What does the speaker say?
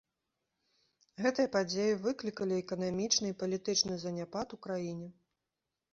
Гэтыя падзеі выклікалі эканамічны і палітычны заняпад у краіне.